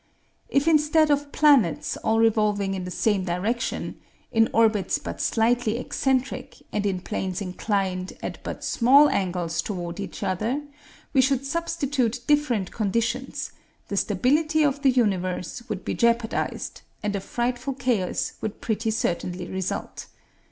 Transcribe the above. If instead of planets all revolving in the same direction, in orbits but slightly eccentric and in planes inclined at but small angles toward each other, we should substitute different conditions, the stability of the universe would be jeopardized, and a frightful chaos would pretty certainly result.